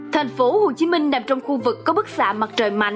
thành phố hồ chí minh nằm trong khu vực có bức xạ mặt trời mạnh